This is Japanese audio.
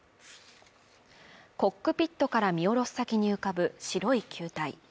コックピットから見下ろす先に浮かぶ白い球体